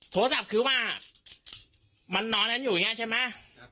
โทรศัพท์คือว่ามันนอนกันอยู่อย่างนี้ใช่ไหม